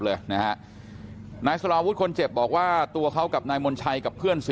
เลยนะฮะนายสลาวุฒิคนเจ็บบอกว่าตัวเขากับนายมนชัยกับเพื่อน๔